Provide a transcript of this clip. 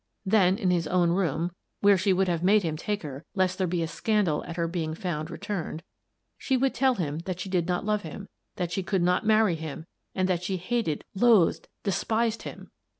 Then, in his own room — where she would have made him take her lest there be a scandal at her being found returned — she would tell him that she did not love him, that she could not marry him, that she hated, loathed, despised him